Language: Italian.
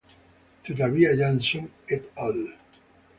Tuttavia Janson "et al.